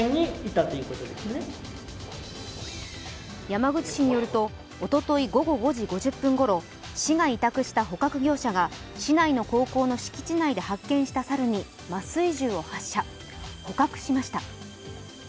山口市によるとおととい午後５時５０分ごろ市が委託した捕獲業者が市内の高校の敷地内で発見した猿に麻酔銃を発射、捕獲しました。